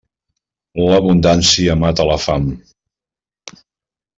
L'abundància mata la fam.